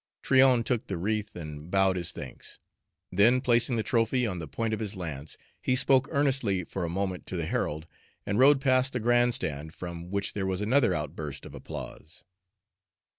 Tryon took the wreath and bowed his thanks. Then placing the trophy on the point of his lance, he spoke earnestly for a moment to the herald, and rode past the grand stand, from which there was another outburst of applause.